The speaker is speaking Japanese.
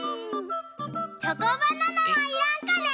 チョコバナナはいらんかね？